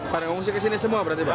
karena ngungsi ke sini semua berarti pak